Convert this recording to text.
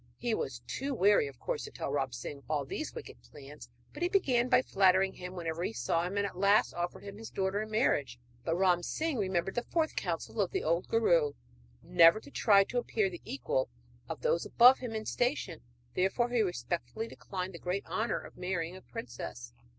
He was too wary, of course, to tell Ram Singh of all these wicked plans; but he began by flattering him whenever he saw him, and at last offered him his daughter in marriage. But Ram Singh remembered the fourth counsel of the old guru never to try to appear the equal of those above him in station therefore he respectfully declined the great honour of marrying a princess.